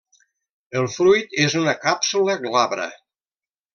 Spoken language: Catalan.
El fruit és una càpsula glabra.